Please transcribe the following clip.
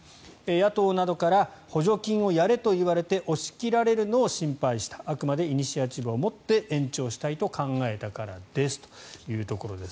野党などから補助金をやれと言われて押し切られるのを心配したあくまでイニシアチブを持って延長したいと考えたからですということです。